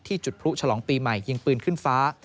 จุดพลุฉลองปีใหม่ยิงปืนขึ้นฟ้า